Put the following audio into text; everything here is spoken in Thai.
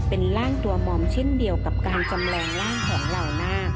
เป็นร่างตัวมอมเช่นเดียวกับการจำแรงร่างของเหล่าหน้า